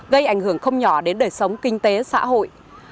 gây ảnh hưởng không nhỏ đến đời sống kinh tế xã hội